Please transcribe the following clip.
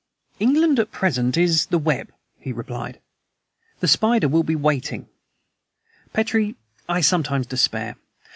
"England at present is the web," he replied. "The spider will be waiting. Petrie, I sometimes despair.